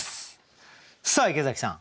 さあ池崎さん。